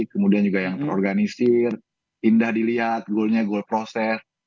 kemudian juga yang terorganisir indah dilihat goalnya goal process